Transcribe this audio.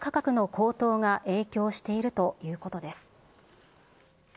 輸入牛肉価格の高騰が影響しているということです。